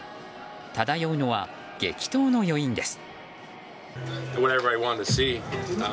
漂うのは激闘の余韻です。